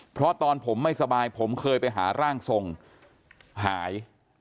เพราะตอนผมไม่สบายผมเคยไปหาร่างทรงหาย